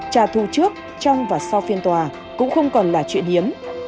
trả thù trước trong và sau phiên tòa cũng không còn là chuyện hiếm